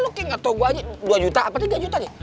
lu kayak gak tau gue aja dua juta apa tiga juta nih